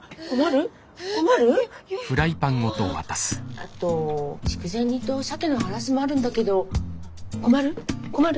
あと筑前煮とシャケのハラスもあるんだけど困る？